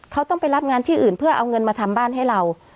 เขาต้องไปรับงานที่อื่นเพื่อเอาเงินมาทำบ้านให้เรา